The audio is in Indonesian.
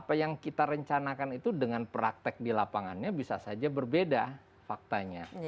apa yang kita rencanakan itu dengan praktek di lapangannya bisa saja berbeda faktanya